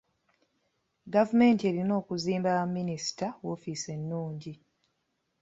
Gavumenti erina okuzimba baminisita woofiisi ennungi.